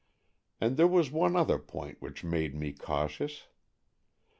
And there was one other point which made me cautious.